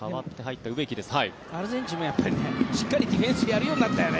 アルゼンチンもしっかりディフェンスをやるようになったよね